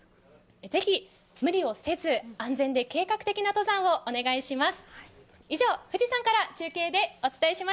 是非、無理をせず、安全で計画的な登山をお願いします。